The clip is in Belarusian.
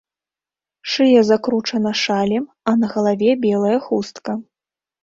Шыя закручана шалем, а на галаве белая хустка.